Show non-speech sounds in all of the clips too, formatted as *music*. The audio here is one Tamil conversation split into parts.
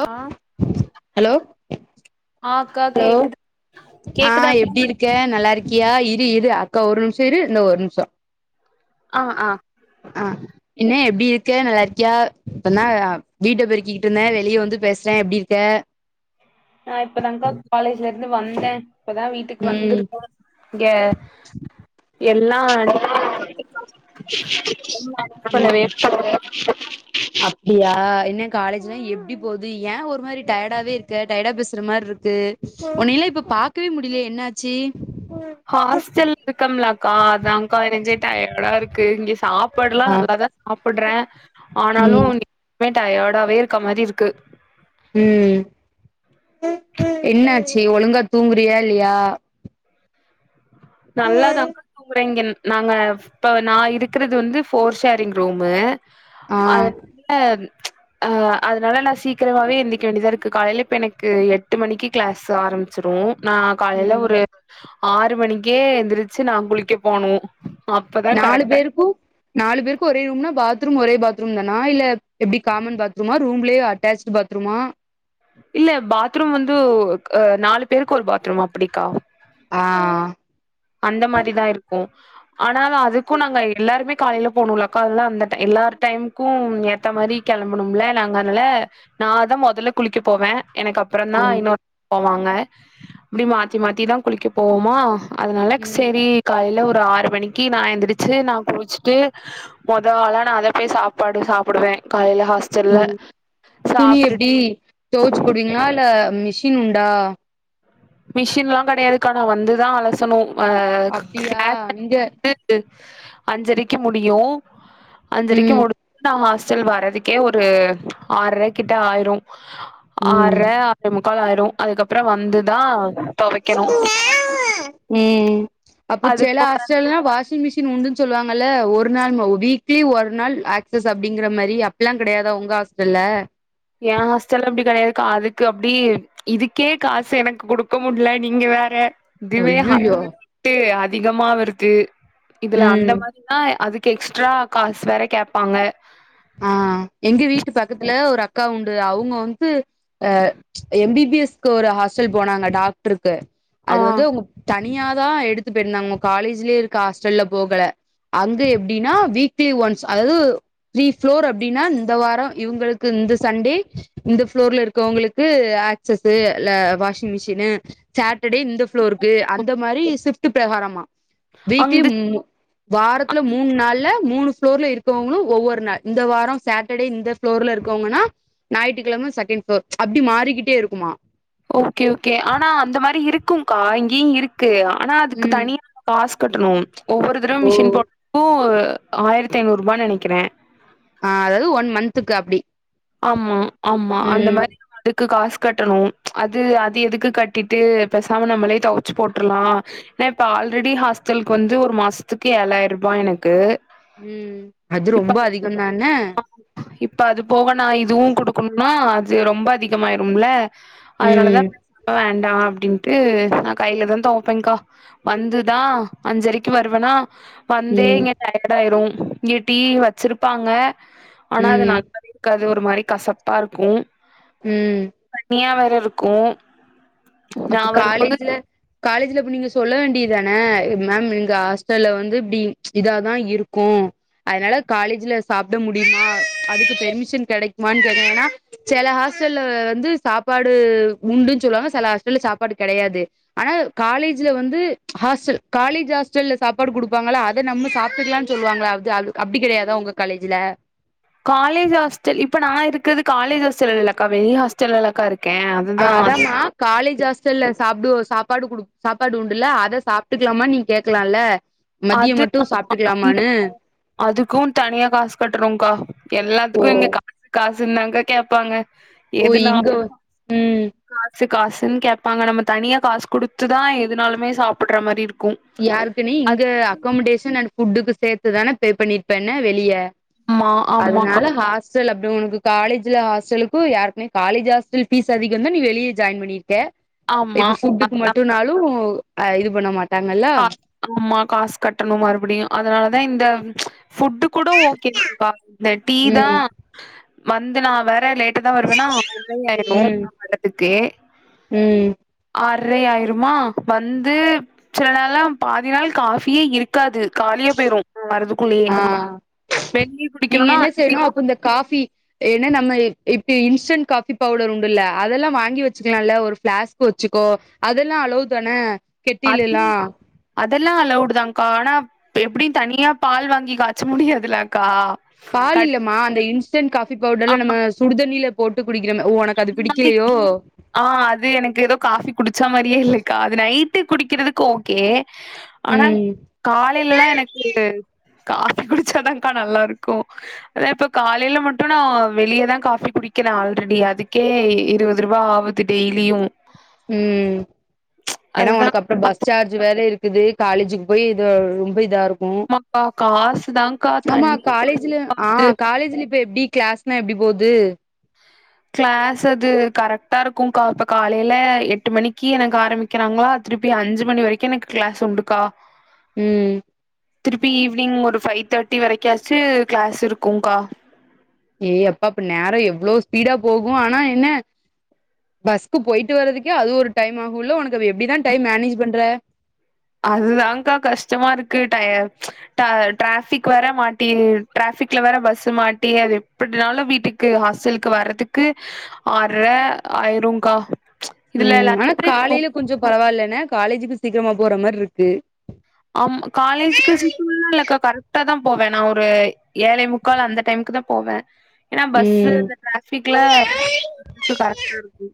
ஓ ஹலோ ஆ அக்கா ஹலோ கேக்குது ஆ கேக்குதா எப்டி இருக்க நல்லாரிக் கியா இரு இரு அக்கா ஒரு நிமிஷோ இரு இந்த ஒரு நிம்ஷோ ஆ ஆ ஆ என்ன எப்டி இரு க்க நல்லா இருக்கியா இப்பதா வீட்ட பெருக்கிக்கிட்டு இருந்தே வெளியே வந்து பேசுறே எப்டி இருக்கெ நா இப்பதாக்கா காலேஜ்ல இருந்து வந்தே இப்பதா வீட்டுக்கு ம் வந்துருக்கோ இங்க எல்லா ரிலாக்ஸ் பண்ணவே அப்டியா என்ன காலேஜ்லா எப்டி போது யான் ஒரு மாரி டயடாவே இருக்க டயடாவே பேசுற மாரி இருக் து உன்னல்லா இப்ப பாக்கவே முடியலே என்னாச்சு ஹாஸ்டல் இருக்கம்லாக்கா அதான்கா எனங்கெ டயர்டா இருக்கு இங் சாப்பாடலா ஆ நல்லாதா சாப்படுறே ஆனாலு ம் பே டயார்டாவே இருக்க மாரி இருக்கு ம் என்னாச்சு ஒழுங்கா தூங்குறியா இல்லயா நல்லாதாக்கா தூங்கறேங் நாங்கள் இப்ப நா இருக்கிறது வந்து ஃபோர் ஷேரிங் ரூம்மு ஆ அதனால ச் ஆ அதனால நா சீக் கிரமாகவே எந்திக்க வேண்டியதா இருக்கு காலையில இப்போ எனக்கு எட்டு மணிக்கு கிளாஸ் ஆரம்பிச்சுரு நா காலையில ம் ஒரு ஆறு மணிக்கே எந்திரிச்சு நா குளிக்க போனு அப்பதா நாலு கரெக்டா பேருக்கு நாலு பேருக்கு ஒரே ரூம்னா பாத்ரூம் ஒரே பாத்ரூம் தானா இல்ல எப்டி காமன் பாத்ரூமா ரூம்லயே அட்டாச்சுட் பாத்ரூமா இல்ல பாத்ரூம் வந்துவு நாலு பேருக்கு ஒரு பாத்ரூம் அப்டிக்கா ஆ அந்த மாரிதா இருக்கு ஆனாலு அதுக்கு நாங்க எல்லாருமே காலையில போனுல அக்கா அதெல்லா அந்த டை எல்லாரரு டைம் க்கு ஏத்த மாரி கெளம்பனும்ல நாங்க அதனால நா தா மெதல்ல குளிக்க போவே எனக்கு அப்புறோ தா ம் இன்னொரு போவாங்க அப்டி மாத்தி மாத்திதா குளிக்க போவோமா அதனால ம் செரி காலையில ஒரு ஒரு ஆறு மணிக்கி நா எந்துதிரிச்சு நா குளிச்சுட்டு மொத ஆளா நா அத போய் சாப்பாடு சாப்புடுவே காலைல ஹாஸ்டல்ல உம் துணி சாப்ட்டுட் எப்டி தொவச்சு போடுவீங்களா இல்ல மிஷின் உண்டா மிஷின் எல்லா கெடையாதுக்கா நா வந்துதா அலசணு ஆ அப்டியா இங்க *unintelligible* அஞ்சரிக்கு முடியு அஞ்சரிக்கு ம் முடிசு நா ஆஸ் செல் வர்துக்கே ஒரு ஆறரை கிட்ட ஆயிரு ஆற ம் ஆற முக் க்காலயிரு அதுக்கப்புறோ வந்துதா தொவைக்கணு அப்ப செல அதுக்கு ஆஸ்டலுனா வாஷிங் மிஷின் உண்டு சொல்லுவாங்கல்ல ஒரு நாள் வீக்லி ஒரு நாள் ஆக்டர்ஸ் அப்டிங்கிற மாரி அப்பெல்லா கெடையாத ஒங்க ஹாஸ்ட்டல ஆ ஏன் ஹாஸ்டல்ல அப்டி கெடையாதுக்கு அப்டி இதுக்கே காசு எனக்கு கொடுக்க முடியல நீங்க வே வேற திவே அய்யய்யோ ஹாஸ்டல்லவிட்டு அதிகமா வருது இதுல அந்த ம் மாரிதா அதுக்கு எக்ஸ்ட்ரா காசு வேற கேட்பாங்க ஆ எங்க வீட்டு பக்கத்துல ஒரு ஆ அக்கா உண்டு அவங்க வந்து எம் பி பி எஸ் க்கு ஒரு ஹாஸ்டல் போனாங்க டாக்டருக் கு ஆ அது வந்து அவுங்க தனியாதா எடுத்து போயிருந்தாங்க காலேஜிலயே இருக்க ஹாஸ்டல்ல போகல அங்க எப்டின்னா வீக்லி ஒன்ஸ் அதாது த்ரீ ஃப்ளோர் அப்டின்னா இந்த வாரோ இவுங்களுக்கு இந்த சண்டே இந்த ஃப்ளோர்ல இருக்கவங்களுக்கு அ ஆக்சசு ல வாஷிங் மிஷினு சாட்டர்டே இந்த ஃப்ளோரு க்கு அந்த மாரி ஷிப்ட்டு பிரகாரமா வீக்லி அங்து ம்மு வாரத்துல மூண் நாள்ல மூணு ஃப்ளோர்ல இருக்கவங்களு ஒவ்வொரு னா இந்த வாரோ சாட்டர்டே இந்த ஃப்ளோர்ல இருக்கவங்கன்னா ஞாயிற்றுக்கிழம செகேண்ட் ஃப்ளோர் அப்டி மாறிக்கிட்டே இருக்குமா ஓகே ஓகே ஆனா அந்த மாரி இருக்கும்கா இங்கேயு இருக்கு ஆனா அதுக்கு ம் தனியான காசு கட்டணு ஒவ்வொரு தறவ ஓ மிஷின் போட்றப்ப ஆயிரத்தி ஐநூறு ரூபானு நெனைக்கிறே அ அதாது ஒன் மந்த்துக்கு அப்டி ஆமா ஆமா அந்த ம் மாரி வந்து க்கு காசு கட்டணு அது அது எதுக்கு கட்டிட்டு பைசாம நம்மளே தொவச்சி போட்ருலா ஏ இப்ப ஆல்ரெடி ஹாஸ்டலுக்கு வந்து ஒரு மாசத்துக்கு ஏழாயிர ரூபா எனக்கு அது இப்ப ரொம்ப அதிகம் தானே நா இதுவு குடுக்கணும்னா அது ரொம்ப அதிகமாயிரும்ல அதனாலதா ம் வேண் நா அப்டின்ட்டு நா கையில தா தொவைப்பேன்கா வந்துதா அஞ்சரைக்கு வருவேனா வந்தே ம் இங்க டயர்ட் ஆயிரு இங்க டீ வச்சிருப்பாங்க ஆனா ம் நல்லாவே அது ஒரு மாரி கசப்பா இருக்கு ம் தனியா வேற இருக்கோ அப்ப காலேஜ்ல காலேஜ்ல அப்ப நீங்க சொல்ல வேண்டி தானே மேம் இங்க ஹாஸ்டல்ல வந்து இப்டி இதாதா இருக்கு அதனால காலேஜ்ல சாப்ட முடியுமா அதுக்கு பெர்மிஷன் கெடைக்குமான்னு கேட்டிங்கன்னா சேல ஹாஸ் ஹாஸ்டல்ல வந்து சாப்பாடு உண்டுன்னு சொல்லுவாங்க சில ஹாஸ்டல்ல சாப்பாடு கெடையாது ஆனா காலேஜில வந்து ஹாஸ்டல் காலேஜ் ஹாஸ்டல சாப்பாடு குடுப்பாங்க னால அத நம்ம சாப்புட்டுக்கலான்னு சொல்லுவாங்கல்ல அது அ அப்டி கெடையாதா உங்க காலேஜ்ல காலேஜ் ஹாஸ்டல் இப்ப நா இருக்கறது காலஜ் ஹாஸ்டல் இல்ல லக்கா வெளிய ஹாஸ்டல்ல லக்கா இருக் அ அதாம காலேஜ் ஹாஸ்டல்ல சாப்டுவோ சாப்பாடு குடு சாப்பாடு உண்டுல்ல அத சாப்டுக்கலாம நீங்க கேக்கலாம்ல மதியம் மட்டு சாப்டுக்கலாமான்னு அதுக்கும் தனியா காசு கட்டுறோங்கா எல்லாத்துக்கு இங்க காசு காசு காசுன்னாங்க கேட்பாங்க ஓ இங்க எதுனாலு ம் காசு காசு காசுன்னு கேட்பாங்க நம்ம தனியா காசு குடுத்துதா எதுனாலுமே சாப்புட்ற மாரி இருக் யாருக்குனே இங்க அக்கமண்டேஷன் அண்ட் ஃபுட்டுக்கு சேத்துதானே பே பண்ணிருப்பேன்ன வெளிய ஆமா ஆமாக்கா அதனால ஹாஸ் ஹஸ்டல் அப்டோ உனக்கு காலேஜில ஹாஸ்டலுக்கு ஏற்கனவே காலேஜ் ஹாஸ்டல் ஃபீஸ் அதிகன் தா நீ வெளியே ஜாயின் பண்ணிரு க ஆமா இப்ப ஃபுட்டுக்கு அது நம்ம மட்டுனாலு அ இது பண்ண மாட்டாங்கலா காஸ் கட்டணு மறுபடியு அதனாலதா இந்த ஃபுட்டு கூட ஓகேக்கா இந்த டீ தா ம் வந்த நா வேற லேட் ட்டா தா வருவேனா *inaudible* ஆயிரு நா ம் வரத்துக்கே ம் அ ரை ஆயிருமா வந்து மிச்ச நாள்ல பாதி நாள் காஃபியே இருக்காது காலியா போயிரு வரதுக்குள்ளயே ஆ வெளிய நீங்க குடிக்கணும்னா என்ன செய்ணு அதுலயே அப்ப இந்த காஃபி என்ன நம்ம இப்ப இன்ஸ்டன்ட் காஃபி பவுடர் உண்டுல்ல அதெல்லா வாங்கி வச்சிக்கலாம்ல ஒரு பிளாஸ்க் வச்சிக்கோ அதெல்லா அளவு தானே அதல் அதெல்லா அலவுட்டு தான்கா ஆனா எப்டி தனியா பால் வாங் வாங்கி காய்ச முடியதுல்ல அக்கா பால் இல்லம்மா அந்த இன்ஸ்டன்ட் காஃபி பவுடர்ல ஆமா. நம்ம சுடு தண்ணில ஆ அது எனக்கு ஏதோ காஃபி குடிச்ச மாரியே இல்லக்கா அது நைட்டு குடிக்கிறதுக்கு ஓகே ஆனா ம் காலையிலல்லா எனக்கு காஃபி குடிச்சாதாக்கா நல்லாருக்கு அதா இப்ப காலையில மட்டு நா வெளியதா காஃபி குடிக்கிற ஆல்ரெடி அதுக்கே இருவது ரூபா ஆவுது டெய்லியு ம் ஏன்னா அதுதான் ஒனக்கு அப்புற பஸ் காசு சார்ஜு வேற இருக் குது காலேஜுக்கு போய் இது ரொம்ப இதா இருக் கும் ஆமாக்கா காசு தான்க்கா ஆமா தண்ணிலாம் காலேஜுல ஆ செலவாவுது. காலேஜ்ல இப்ப எப்டி கிளாஸ்னா எப்டி போது கிளாஸ் அது கரெக்டா இருக்குக்கா இப்ப காலையில எட்டு மணிக்கி எனக்கு ஆரம்பிக்கிறாங்களா திருப்பி அஞ்சு மணி வரைக்கு எனக்கு கிளாஸ் உண்டுக்கா ம் திருப்பி ஈவினிங் ஒரு ஃபைவ் தேர்ட்டி வரைக்காச்சு கிளாஸ் இருக்குங்க்கா ஏய் அப்பா அப்ப நேர எவ்ளோ ஸ்பீடா போகு ஆனா என்ன பஸ்க்கு போயிட்டு வர்றதுக்கே அது ஒரு டைம் ஆகுல்ல ஒனக்கு அப்ப எப்டிதா டைம் மேனேஜ் பண்ற அதுதான்கா கஷ்டமா இருக்கு டய ட டிராஃபிக் வேற மாட்டி டிரா ஃபிக்ல வேற பஸ்ஸு மாட்டி அது எப்டினாலும் வீட்டுக்கு ஹாஸ்டலுக்கு வரதுக்கு ஆர்ற ஆயிருங்க்கா ம் ஆனா காலையில கொஞ்ச பரவாயில்லன்ன காலேஜுக்கு சீக்கிரமா போற மாரி இருக்கு ஆமா காலேஜுக்கு *inaudible* இல்லக்கா கரெக்டாதா போவ நா ஒரு ஏழேமுக்கால் அந்த டைமுக்கு தா போவ ஏன்னா பஸ்ஸு ம் இந்த டிராஃபிக்ல போறதுக்கு கரெக்ட்டா இருக்கு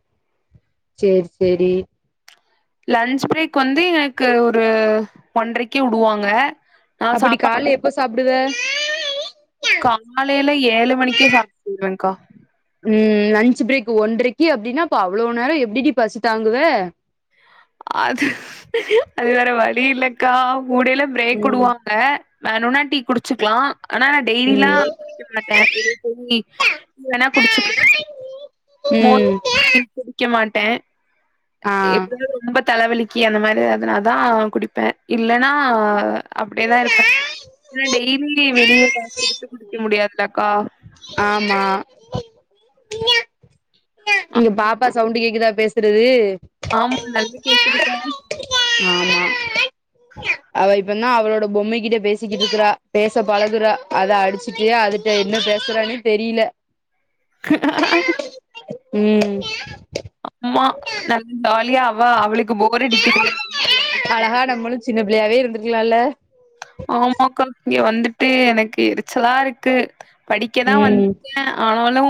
சேரி சேரி லன்ச் பிரேக் வந்து எனக்கு ஒரு ஒன்றைக்கு உடுவாங்க அப்ப நீ கால்ல எப்ப சாப்டுவ காலையில ஏழு மணிக்கே சாப்ட்டுருவேக்கா ம் லன்ச்சு பிரேக் ஒன்றைக்கு அப்டின்னா அப்போ அவ்ளோ நேர எப்படிடி பசி தாங்குவ அது அது வேற வழி இல்லக்கா முடையில பிரேக் ம் உடுவாங்க வேணுன்னா டீ குடிச்சுக்கலா ஆனா நா டெய்லிலா ம் குடிக்க மாட்ட வெளியே போய் டீ வேணா குடிச்சுக்க ம் மோஸ்லி குடிக்க மாட்ட ஆ எப்ப தலைவலிக்கி அந்த மாரி எதனாதா குடிப்ப இல்லன்னா அப்டியேதா இருப்ப ஏனா டெய்லி வெளிய காஸ் குடுத்து குடிக்க முடியாதுல்லக்கா ஆமா இங்க ஆமா பாப்பா சவுண்டு கேக்குதா பேசுறது ஆமா நல்லா கேக்குதுக்கா ஏன்னா அவளோட பொம்மைக்கிட்ட பேசிக்கிட்டுருக்கிறா பேச பழகுறா அத அடிச்சுட்டு அதுட்ட என்ன பே சுறான்னே தெரியல ம் ஆமா நல்லா ஜாலியா அவ அவளுக்கு போர் அடிக்குதுல்ல அழகா நம்மளு சின்ன பிள்ளையாவே இருந்துருக்கலால்ல ஆமாக்கா இங்க வந்துட்டு எனக்கு எரிச்சலா இருக்கு படிக்கதா ம் வந்துருக்கே ஆனாலு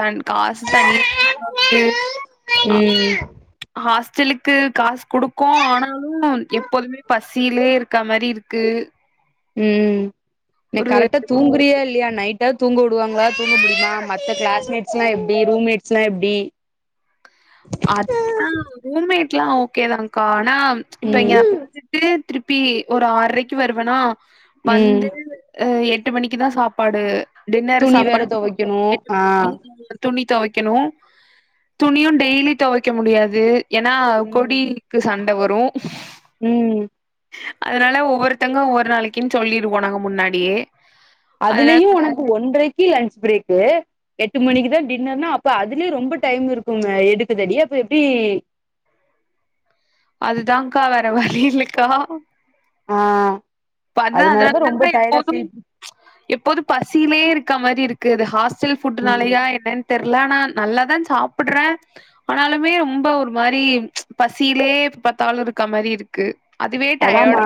தன் காசு தனி *inaudible* போகுது ஆ ம் ஹாஸ் டலுக்கு காசு குடுக்கு ஆனாலு எப்போதுமே பசியிலே இருக்க மாரி இருக்கு ம் என்ன ஒரு கரெக்டா தூங்குறியா இல்லையான் நைட்டாவுது தூங்க உடுவாங்களா தூங்க முடியமா மத்த கிளாஸ்மேட்ஸ்லா எப்டி ரூம்மேட்ஸ்லா எப்டி அதுதா ரூம்மேட்லா ஓகேதான்கா ஆனா இப்ப இங்க ம் வந்துட்டு திருப்பி ஒரு ஆறரைக்கு வருவனா ம் வந்து எட்டு மணிக்குதா சாப்பாடு டின்னர் துணி வேற சாப்பாடு துவைக்கணு எட்டு ஆ மணிக்கு துணி தொவைக்கணு துணியு டெய்லி தொவைக்க முடியாது ஏனா கொடிக்கு சண்ட வரு ம் அதனால ஒவ்வொருத்தங்க ஒவ்வொரு நாளைக்குனு சொல்லிருவோ நாங்க முன்னாடியே அதனால அதுலயு உனக்கு ஒன்றரைக்கு லன்ச் பிரேக்கு எட்டு மணிக்குதா டின்னர்னா அப்ப அதுலயு ரொம்ப டைம் இருக்குமே எடுக்கதடி அப்ப எப்டி அதுதான்கா வேற வழி இல்லக்கா ஆ இப்ப அதுதா ரொம்ப அதனாலதா டயர்டா எப்போதும் ஃபீல் எப்போது பசியிலயே இருக்க மாரி இருக்கு இந்த ஹாஸ் சில் ஃபுட் ம் நாளயா என்ன தெர்ல ஆனா நல்லாதா சாப்டுறே ஆனாலுமே ரொம்ப ஒரு மாரி பசிலயே எப்ப பாத்தாலு இருக்க மாரி இருக்கு அதுவே அதாமா டயர்டா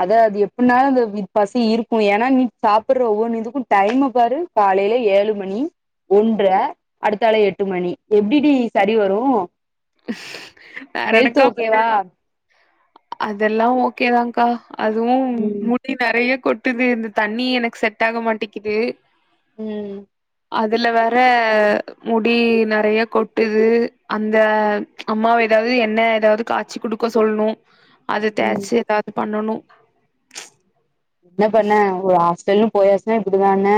அத அது எ முன்னாலெல்லா அந்த பசி இருக்கு ஏனா நீ சாப்டுற ஒவ்வொன்னு இதுக்கு டைமு பாரு காலைல ஏழு மணி ஒன்ற அடுத்தாள எட்டு மணி எப்டிடி சரி வரு வேற ஹெல்த் எனக்கா ஓகே பண்ண வா அதெல்லா ஓகேதான்க்கா அதுவு ம் முடி நெறயா கொ ட்டுது இந்த தண்ணி எனக்கு செட் ஆக மாட்டீக்கிது ம் அதுல வேற முடி நெறயா கொட்டுது அந்த அம்மாவ எதாவது எண்ணெ எதாவது காச்சி குடுக்க சொல்ணு அது தேச்சு எதாவது பண்ணனு என்ன பண்ணே ஒரு ஹாஸ்டல்லுன் போயாச்சுனா இப்டிதாணே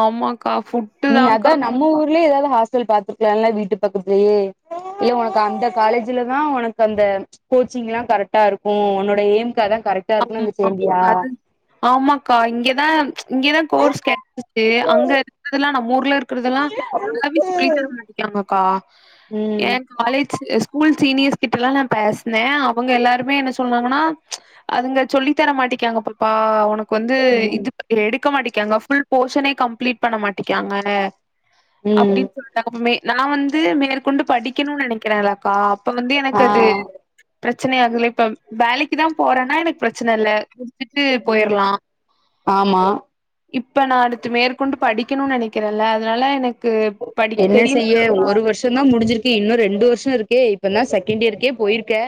ஆமாக் நீ அதா நம்ம ஊர்லயே ஏதாவது ஹாஸ் ஹாஸ்டல் பாத்திருக்கலால்ல வீட்டு பக்கத்துலயே இல்ல உனக்கு அந்த காலேஜ்லதா உனக்கு அந்த கோ கோச்சிங் எல்லா கரெக்டா இருக்கு உன்னோட எய்ம்க்கு அதா கரெக்டா இருக்குனு ஆமா உனக்கு தெரியலயா அது ஆமாக்கா இங்கதா இங்கதா கோர்ஸ் கெடச்சுச்சு அங்க இருக்கிறதெல்லா நம்ம ஊர்ல இருக்கிறதெல்லா நல்லாவே சொல்லித் தர மாட் *inaudible* ஆமாக்கா ம் என் காலேஜ் ஸ் ஸ்கூல் சீனியர்ஸ் கிட்ட எல்லா நா பேசினே அவுங்க எல்லாருமே என்ன சொன்னாங்கன்னா அதுங்க சொல்லித் தர மாட்டிக்காங்க பாப்பா உனக்கு வந்து ம் இது எடு எடுக்க மாட்டிகாக ஃபுல் போஷனே கம்ப்ளீட் பண்ண மாட்டிக்காங்க ம் அப்டின்னு சொல்ட்டாங்க மே நா வந்து மேற்கொண்டு படிக்கணுனு நெனக்கிறேன்லக்கா அப்ப வந்து எனக்கு ஆ அது பிரச்சன ஆகுதல்ல இப்ப வேலைக்குதா போறன்னா எனக்கு பிரச்சன இல்ல துக்கு ம் போயிர்லா ஆமா இப்ப நா அடுத்து மேற்கொண்டு படிக்கணுனு நென க்கிறல அதனால எனக்கு படி என்ன தெரியணு செய்ய ஒரு வருஷோந்தா முடிஞ்சிருக்கு இன்னு ரெ ண்டு வருஷோ இருக்கே இப்பனா செகண்ட் இயர்கே போயிருக்கே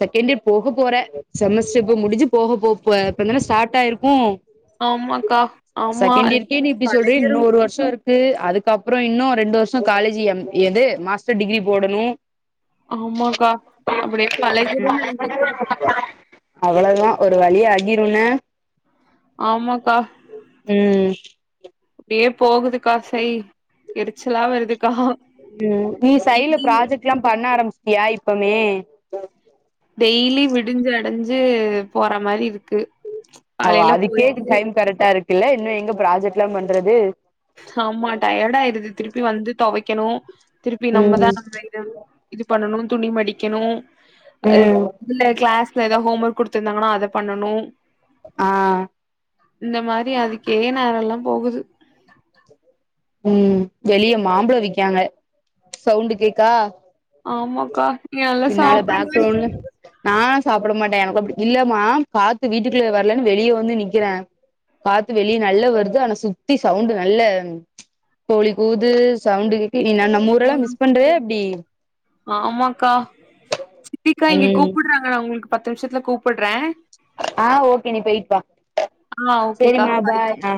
செகண்ட் இயர் போக போற செமஸ்டர் இ முடிஞ்சு போக போ இப்பதான ஸ்டார்ட் ஆயிருக்கு ஆமாக்கா ஆமா செகண்ட் இயர்க்கே நீ இப்டி சொல்றயே பழகிரு இன்னு ஒரு வருஷோ இருக்கு க்கு அதுக்கப்பறோ இன்னு ரெண்டு வருஷோ காலேஜ் எம் எது மாஸ்டர் டிகிரி போடணு ஆமாக்கா அப்டியே பழகிருனு நெனக்கா அவ்ளதா ஒரு வழி ஆகிரு என்ன ஆமாக்கா உம் அப்டியே போகுதுக்கா சை எரிச்சலா வருதுக்கா ம் நீ சைடுல டெய்லி ப்ராஜெக்ட் எல்லா பண்ண ஆரம்பிச்சிடியா இப்பமே டெய்லி விடிஞ்சு அடஞ்சு போற மாறி இரு அது அதுக்கே டைம் கரெக்டா இருக்குல்ல இன்னும் எங்க ப்ராஜெக்ட் எல்லாம் பண்றது ஆமா டயர்ட் ஆயிருது திருப்பி வந்து துவைக்கணும் திருப்பி நம்மதான் ம் *unintelligible* வைரம் இது பண்ணணும் துணி மடிக்கணும் எப் ம் உள்ள கிளாஸ்ல ஏதா ஹோம் ஒர்க் குடுத்துருந்தாங்கன்னா அத பண்ணனும் ஆ இந்த மாறி அதுக்கே நேரம் எல்லாம் போகுது உம் வெளிய மாம்பழ விக்காங்க சவுண்டு கேக்கா ஆமாக்கா நீங்க நல்லா பின்னால சாப்டுங்க பேக்ரவுண்ட் நாயிஸ் சாப்பிட மாட்டேன் எனக்கு அப்படி இல்லம்மா காத்து வீட்டுக்குள்ளேயே வரலைன்னு வெளியே வந்து நிக்கிறேன் காத்து வெளிய நல்லா வருது ஆனா சுத்தி சவுண்ட் நல்ல இச் கோழி கூவுது சவுண்டு கே நீ நம் நம்மஊரெல்லாம் மிஸ் பண்றீயா எப்படி சிதிகா இங்க கூப்பிட்றாங்க உங்களுக்கு பத்து நிமிஷத்துல கூப்பிட்றேன் ஆ ஓகே நீ போயிட்டுவா ஆ ஓகேக்கா சரிமா பாய்க்கா பாய் ஆ